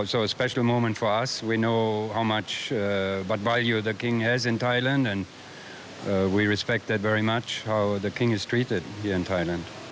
และเรารู้สึกว่ามันเป็นความทราบที่มันมีในไทย